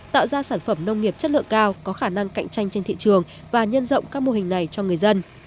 tạo ra sản phẩm nông nghiệp chất lượng cao có khả năng cạnh tranh trên thị trường và nhân rộng các mô hình này cho người dân